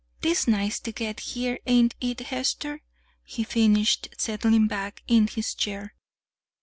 'Tis nice ter get here; ain't it, Hester?" he finished, settling back in his chair.